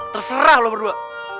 terserah lo berdua